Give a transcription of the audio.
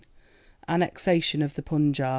Annexation of the Punjab.